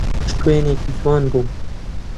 شوێنێکی جوان بوو.